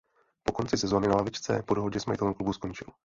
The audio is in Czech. Po konci sezóny na lavičce po dohodě s majitelem klubu skončil.